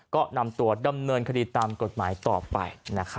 ก็นำตัวดำเนินคดีตามกฎหมายต่อไป